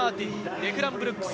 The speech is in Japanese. デクラン・ブルックス。